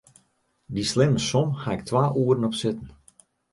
Dy slimme som haw ik twa oeren op sitten.